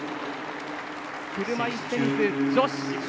車いすテニス女子